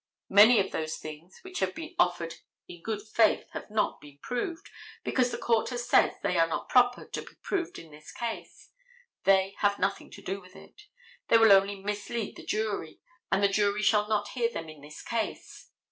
Many of those things which have been offered in good faith have not been proved, because the court has said that they are not proper to be proved in this case. They have nothing to do with it. They will only mislead the jury, and the jury shall not hear them in this case.